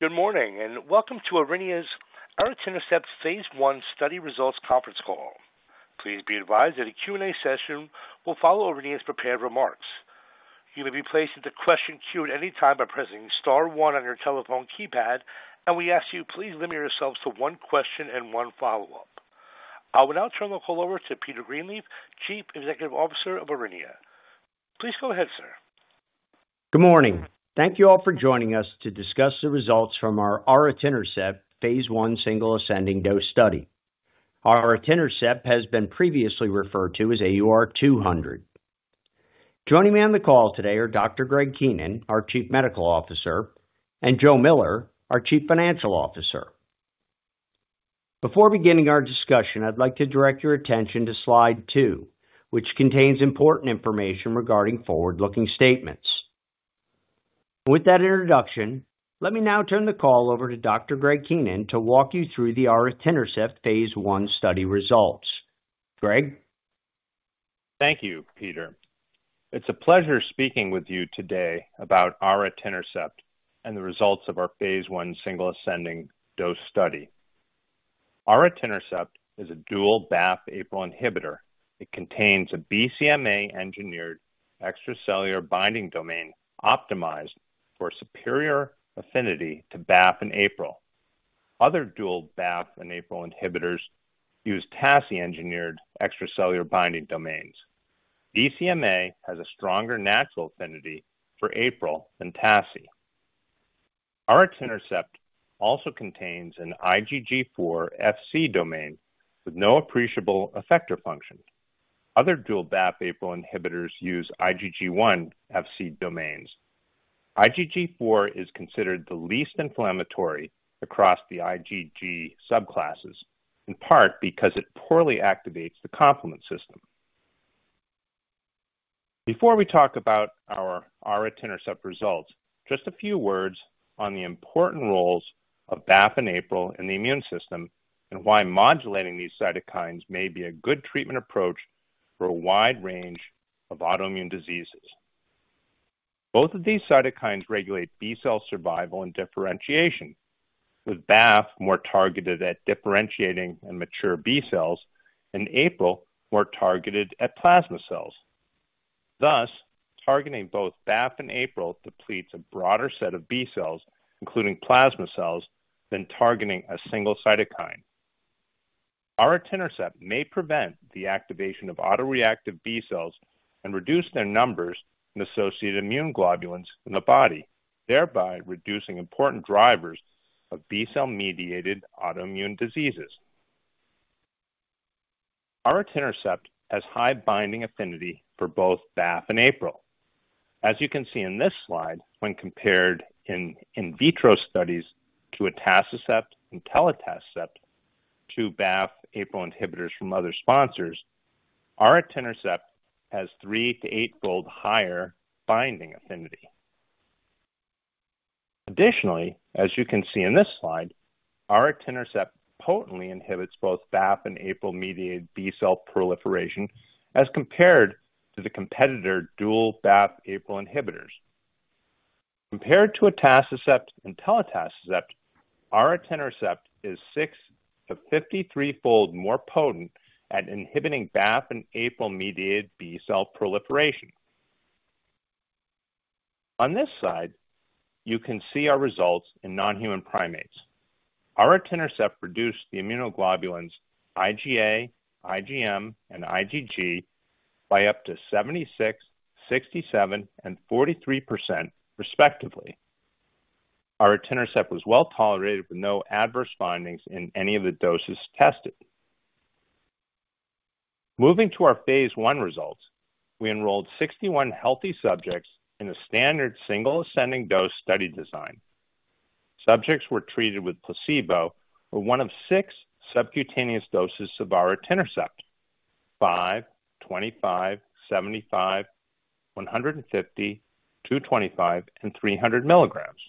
Good morning and welcome to Aurinia's Aritinercept phase one study results conference call. Please be advised that a Q&A session will follow Aurinia's prepared remarks. You may be placed into question queue at any time by pressing star one on your telephone keypad, and we ask you please limit yourselves to one question and one follow-up. I will now turn the call over to Peter Greenleaf, Chief Executive Officer of Aurinia. Please go ahead, sir. Good morning. Thank you all for joining us to discuss the results from our Aritinercept phase I single ascending dose study. Our Aritinercept has been previously referred to as AUR200. Joining me on the call today are Dr. Greg Keenan, our Chief Medical Officer, and Joe Miller, our Chief Financial Officer. Before beginning our discussion, I'd like to direct your attention to slide two, which contains important information regarding forward-looking statements. With that introduction, let me now turn the call over to Dr. Greg Keenan to walk you through the Aritinercept phase one study results. Greg? Thank you, Peter. It's a pleasure speaking with you today about Aritinercept and the results of our phase I single ascending dose study. Aritinercept is a dual BAFF-APRIL inhibitor. It contains a BCMA-engineered extracellular binding domain optimized for superior affinity to BAFF and APRIL. Other dual BAFF and APRIL inhibitors use TACI-engineered extracellular binding domains. BCMA has a stronger natural affinity for APRIL than TACI. Aritinercept also contains an IgG4 Fc domain with no appreciable effector function. Other dual BAFF-APRIL inhibitors use IgG1 Fc domains. IgG4 is considered the least inflammatory across the IgG subclasses, in part because it poorly activates the complement system. Before we talk about our Aritinercept results, just a few words on the important roles of BAFF and APRIL in the immune system and why modulating these cytokines may be a good treatment approach for a wide range of autoimmune diseases. Both of these cytokines regulate B cell survival and differentiation, with BAFF more targeted at differentiating and mature B cells and APRIL more targeted at plasma cells. Thus, targeting both BAFF and APRIL depletes a broader set of B cells, including plasma cells, than targeting a single cytokine. Aritinercept may prevent the activation of autoreactive B cells and reduce their numbers and associated immunoglobulins in the body, thereby reducing important drivers of B cell-mediated autoimmune diseases. Aritinercept has high binding affinity for both BAFF and APRIL. As you can see in this slide, when compared in in vitro studies to Atacicept and Telitacicept, two BAFF-APRIL inhibitors from other sponsors, Aritinercept has three- to eight-fold higher binding affinity. Additionally, as you can see in this slide, Aritinercept potently inhibits both BAFF- and APRIL-mediated B cell proliferation as compared to the competitor dual BAFF-APRIL inhibitors. Compared to Atacicept and Telitacicept, Aritinercept is six- to fifty-three-fold more potent at inhibiting BAFF- and APRIL-mediated B-cell proliferation. On this slide, you can see our results in non-human primates. Aritinercept reduced the immunoglobulins IgA, IgM, and IgG by up to 76%, 67%, and 43%, respectively. Aritinercept was well tolerated with no adverse findings in any of the doses tested. Moving to our phase I results, we enrolled 61 healthy subjects in a standard single ascending dose study design. Subjects were treated with placebo or one of six subcutaneous doses of Aritinercept: 5, 25, 75, 150, 225, and 300 milligrams.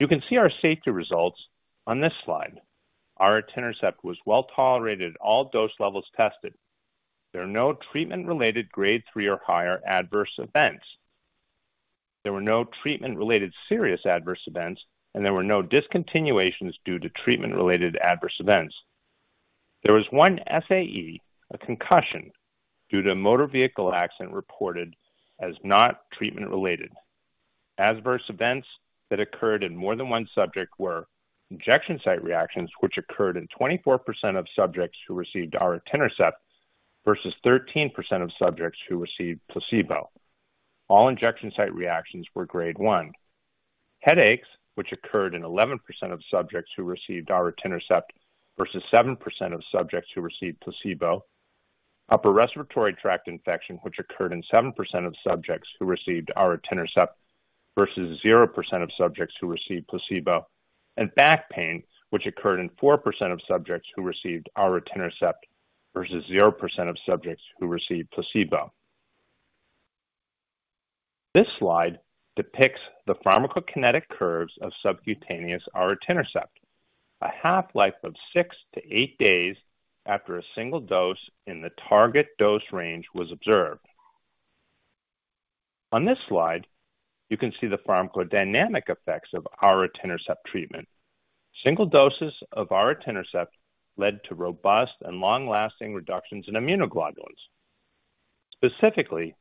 You can see our safety results on this slide. Aritinercept was well tolerated at all dose levels tested. There were no treatment-related grade three or higher adverse events. There were no treatment-related serious adverse events, and there were no discontinuations due to treatment-related adverse events. There was one SAE, a concussion, due to a motor vehicle accident reported as not treatment-related. Adverse events that occurred in more than one subject were injection site reactions, which occurred in 24% of subjects who received Aritinercept versus 13% of subjects who received placebo. All injection site reactions were grade one. Headaches, which occurred in 11% of subjects who received Aritinercept versus 7% of subjects who received placebo. Upper respiratory tract infection, which occurred in 7% of subjects who received Aritinercept versus 0% of subjects who received placebo. Back pain, which occurred in 4% of subjects who received Aritinercept versus 0% of subjects who received placebo. This slide depicts the pharmacokinetic curves of subcutaneous Aritinercept. A half-life of 6-8 days after a single dose in the target dose range was observed. On this slide, you can see the pharmacodynamic effects of Aritinercept treatment. Single doses of Aritinercept led to robust and long-lasting reductions in immunoglobulins. Specifically,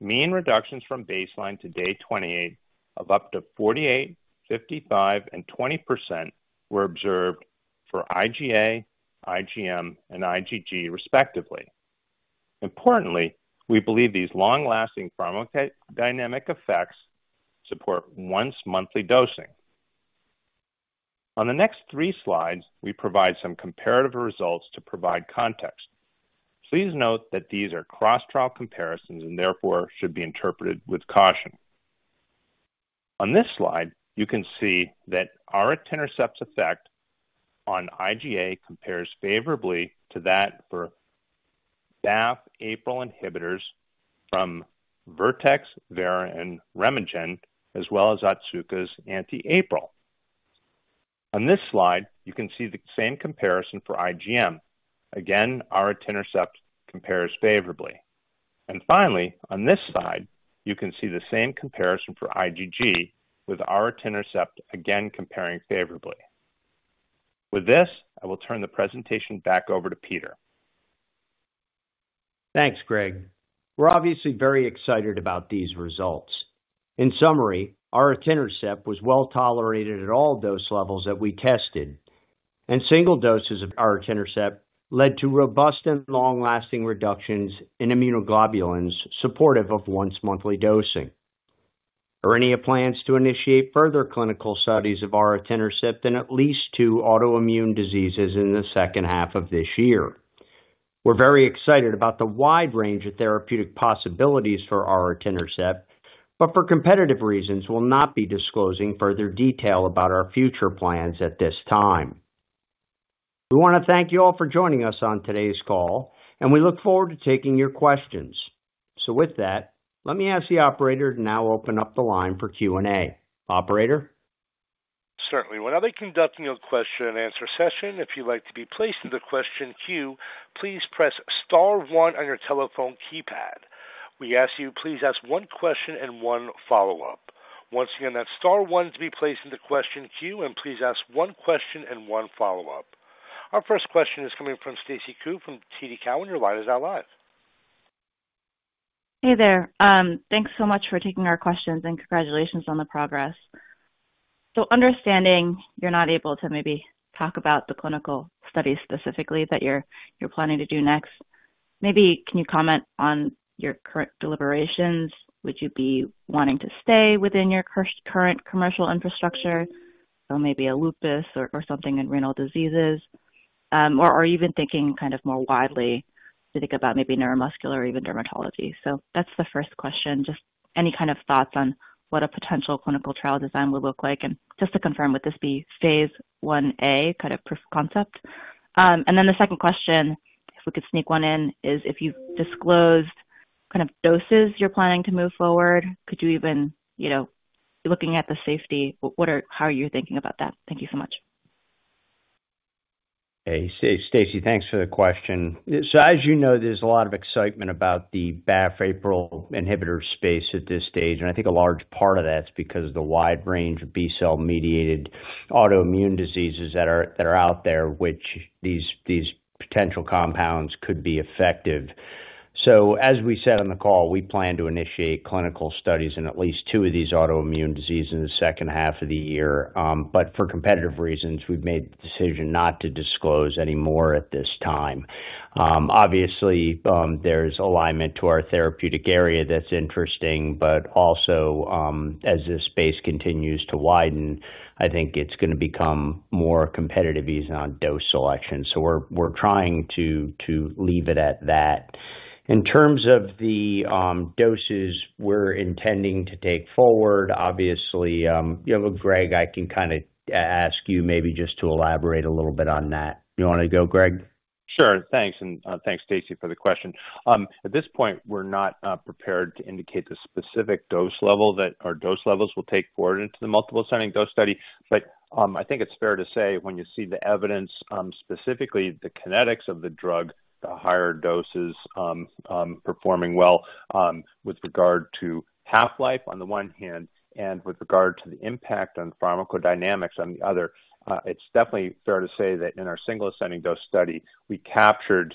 mean reductions from baseline to day 28 of up to 48%, 55%, and 20% were observed for IgA, IgM, and IgG, respectively. Importantly, we believe these long-lasting pharmacodynamic effects support once-monthly dosing. On the next three slides, we provide some comparative results to provide context. Please note that these are cross-trial comparisons and therefore should be interpreted with caution. On this slide, you can see that Aritinercept's effect on IgA compares favorably to that for BAFF-APRIL inhibitors from Vertex, Vera, and RemeGen, as well as Otsuka's anti-APRIL. On this slide, you can see the same comparison for IgM. Again, Aritinercept compares favorably. Finally, on this slide, you can see the same comparison for IgG with Aritinercept again comparing favorably. With this, I will turn the presentation back over to Peter. Thanks, Greg. We're obviously very excited about these results. In summary, Aritinercept was well tolerated at all dose levels that we tested, and single doses of Aritinercept led to robust and long-lasting reductions in immunoglobulins supportive of once-monthly dosing. Aurinia plans to initiate further clinical studies of Aritinercept in at least two autoimmune diseases in the second half of this year. We're very excited about the wide range of therapeutic possibilities for Aritinercept, but for competitive reasons, we'll not be disclosing further detail about our future plans at this time. We want to thank you all for joining us on today's call, and we look forward to taking your questions. With that, let me ask the operator to now open up the line for Q&A. Operator? Certainly. When conducting a question and answer session, if you'd like to be placed into the question queue, please press star one on your telephone keypad. We ask you, please ask one question and one follow-up. Once again, that's star one to be placed into the question queue, and please ask one question and one follow-up. Our first question is coming from Stacy Ku from TD Cowen, and your line is now live. Hey there. Thanks so much for taking our questions and congratulations on the progress. Understanding you're not able to maybe talk about the clinical study specifically that you're planning to do next, maybe can you comment on your current deliberations? Would you be wanting to stay within your current commercial infrastructure, so maybe a lupus or something in renal diseases, or are you even thinking kind of more widely to think about maybe neuromuscular or even dermatology? That's the first question. Just any kind of thoughts on what a potential clinical trial design would look like, and just to confirm, would this be phase 1A kind of concept? The second question, if we could sneak one in, is if you've disclosed kind of doses you're planning to move forward, could you even, you know, looking at the safety, how are you thinking about that? Thank you so much. Hey, Stacy, thanks for the question. As you know, there's a lot of excitement about the BAFF-APRIL inhibitor space at this stage, and I think a large part of that's because of the wide range of B cell-mediated autoimmune diseases that are out there, which these potential compounds could be effective. As we said on the call, we plan to initiate clinical studies in at least two of these autoimmune diseases in the second half of the year, but for competitive reasons, we've made the decision not to disclose any more at this time. Obviously, there's alignment to our therapeutic area that's interesting, but also as this space continues to widen, I think it's going to become more competitive ease on dose selection. We're trying to leave it at that. In terms of the doses we're intending to take forward, obviously, you know, Greg, I can kind of ask you maybe just to elaborate a little bit on that. You want to go, Greg? Sure. Thanks. Thanks, Stacy, for the question. At this point, we're not prepared to indicate the specific dose level that our dose levels will take forward into the multiple ascending dose study, but I think it's fair to say when you see the evidence, specifically the kinetics of the drug, the higher doses performing well with regard to half-life on the one hand and with regard to the impact on pharmacodynamics on the other, it's definitely fair to say that in our single ascending dose study, we captured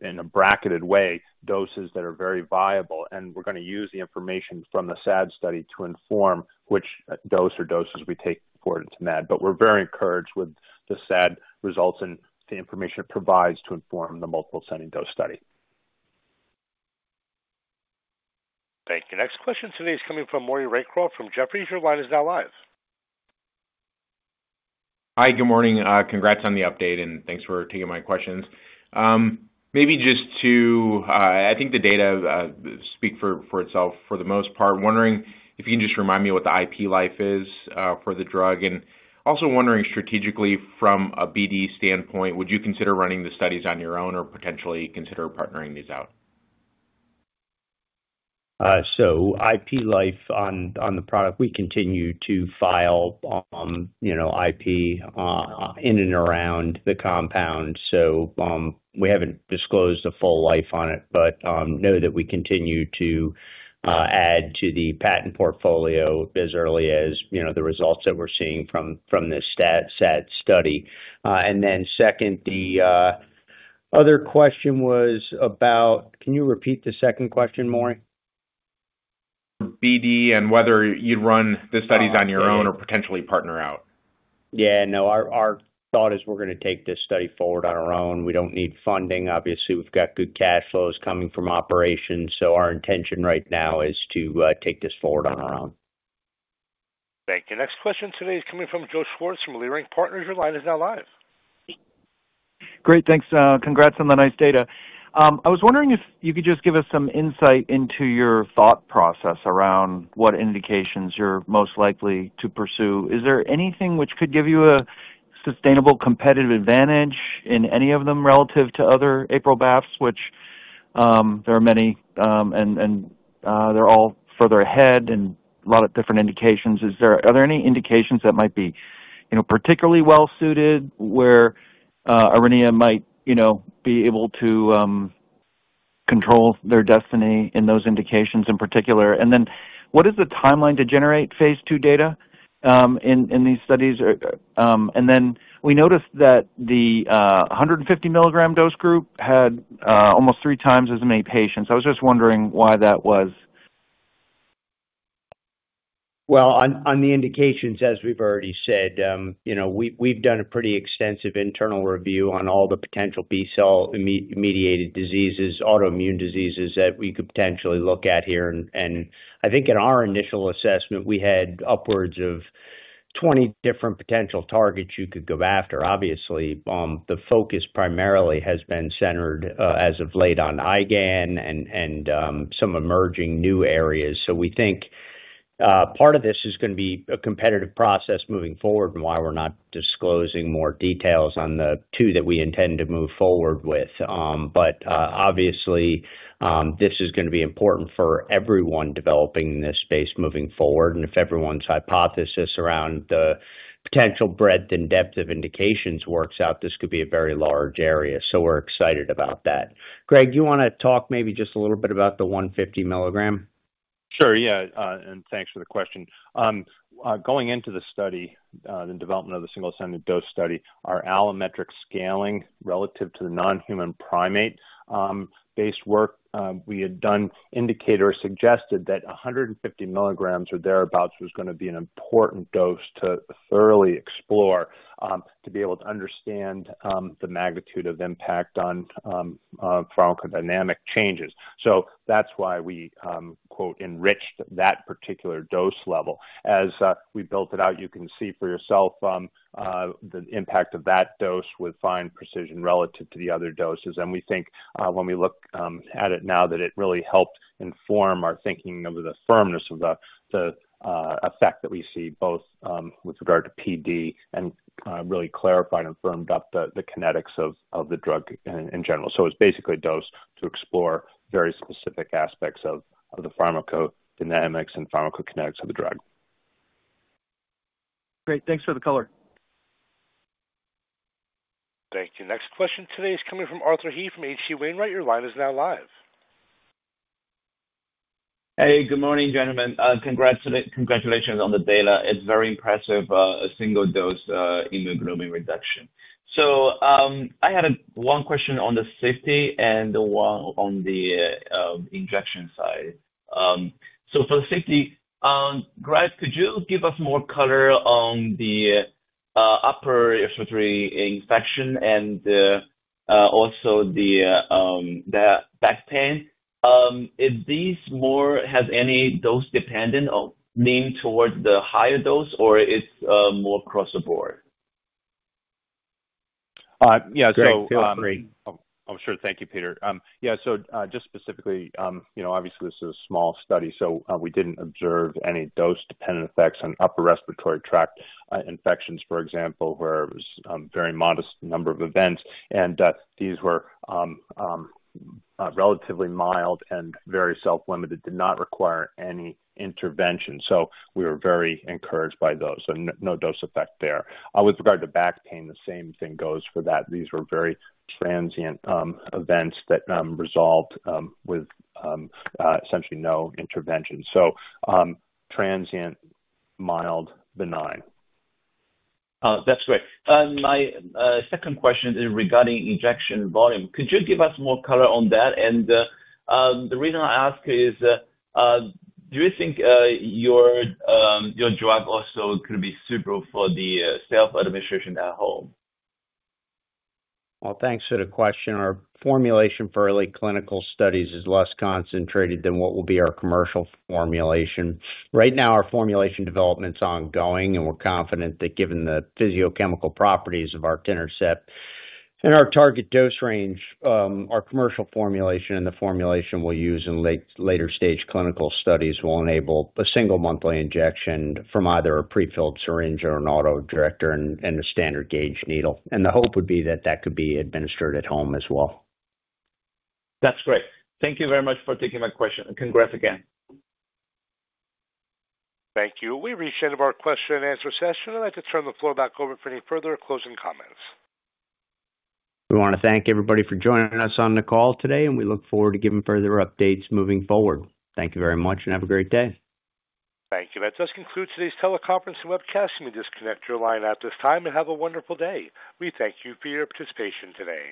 in a bracketed way doses that are very viable, and we're going to use the information from the SAD study to inform which dose or doses we take forward into that. We're very encouraged with the SAD results and the information it provides to inform the multiple ascending dose study. Thank you. Next question today is coming from Maury Raycroft from Jefferies. Your line is now live. Hi, good morning. Congrats on the update, and thanks for taking my questions. Maybe just to, I think the data speak for itself for the most part. Wondering if you can just remind me what the IP life is for the drug, and also wondering strategically from a BD standpoint, would you consider running the studies on your own or potentially consider partnering these out? IP life on the product, we continue to file IP in and around the compound. We have not disclosed the full life on it, but know that we continue to add to the patent portfolio as early as the results that we are seeing from this SAD study. The other question was about, can you repeat the second question, Morrie? BD and whether you'd run the studies on your own or potentially partner out. Yeah, no, our thought is we're going to take this study forward on our own. We don't need funding. Obviously, we've got good cash flows coming from operations, so our intention right now is to take this forward on our own. Thank you. Next question today is coming from Joe Schwartz from Leerink Partners. Your line is now live. Great, thanks. Congrats on the nice data. I was wondering if you could just give us some insight into your thought process around what indications you're most likely to pursue. Is there anything which could give you a sustainable competitive advantage in any of them relative to other BAFF-APRILs, which there are many and they're all further ahead and a lot of different indications? Are there any indications that might be particularly well-suited where Aurinia might be able to control their destiny in those indications in particular? What is the timeline to generate phase two data in these studies? We noticed that the 150 milligram dose group had almost three times as many patients. I was just wondering why that was. On the indications, as we've already said, we've done a pretty extensive internal review on all the potential B cell-mediated diseases, autoimmune diseases that we could potentially look at here. I think in our initial assessment, we had upwards of 20 different potential targets you could go after. Obviously, the focus primarily has been centered as of late on IgAN and some emerging new areas. We think part of this is going to be a competitive process moving forward and why we're not disclosing more details on the two that we intend to move forward with. Obviously, this is going to be important for everyone developing in this space moving forward. If everyone's hypothesis around the potential breadth and depth of indications works out, this could be a very large area. We're excited about that. Greg, do you want to talk maybe just a little bit about the 150 milligram? Sure, yeah. Thanks for the question. Going into the study, the development of the single ascending dose study, our allometric scaling relative to the non-human primate-based work we had done indicated or suggested that 150 milligrams or thereabouts was going to be an important dose to thoroughly explore to be able to understand the magnitude of impact on pharmacodynamic changes. That is why we "enriched" that particular dose level. As we built it out, you can see for yourself the impact of that dose with fine precision relative to the other doses. We think when we look at it now that it really helped inform our thinking of the firmness of the effect that we see both with regard to PD and really clarified and firmed up the kinetics of the drug in general. It's basically a dose to explore very specific aspects of the pharmacodynamics and pharmacokinetics of the drug. Great. Thanks for the color. Thank you. Next question today is coming from Arthur He from H.C. Wainwright. Your line is now live. Hey, good morning, gentlemen. Congratulations on the data. It's very impressive, a single dose immunoglobulin reduction. I had one question on the safety and one on the injection side. For the safety, Greg, could you give us more color on the upper respiratory infection and also the back pain? Is this more, has any dose-dependent or lean towards the higher dose, or it's more across the board? Yeah, so. Greg, feel free. I'm sure. Thank you, Peter. Yeah, so just specifically, obviously, this is a small study, so we did not observe any dose-dependent effects on upper respiratory tract infections, for example, where it was a very modest number of events. These were relatively mild and very self-limited, did not require any intervention. We were very encouraged by those, so no dose effect there. With regard to back pain, the same thing goes for that. These were very transient events that resolved with essentially no intervention. Transient, mild, benign. That's great. My second question is regarding injection volume. Could you give us more color on that? The reason I ask is, do you think your drug also could be suitable for the self-administration at home? Thanks for the question. Our formulation for early clinical studies is less concentrated than what will be our commercial formulation. Right now, our formulation development's ongoing, and we're confident that given the physiochemical properties of our Aritinercept and our target dose range, our commercial formulation and the formulation we'll use in later stage clinical studies will enable a single monthly injection from either a prefilled syringe or an autoinjector and a standard gauge needle. The hope would be that that could be administered at home as well. That's great. Thank you very much for taking my question. Congrats again. Thank you. We reached the end of our question and answer session. I'd like to turn the floor back over for any further closing comments. We want to thank everybody for joining us on the call today, and we look forward to giving further updates moving forward. Thank you very much and have a great day. Thank you. That does conclude today's teleconference and webcast. We disconnect your line at this time and have a wonderful day. We thank you for your participation today.